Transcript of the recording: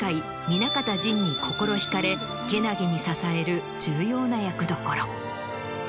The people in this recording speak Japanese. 南方仁に心惹かれけなげに支える重要な役どころ。